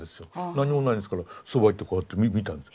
何もないんですからそばへ行ってこうやって見たんです。